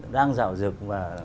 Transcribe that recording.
đang rào rực